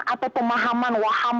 atau pemahaman waham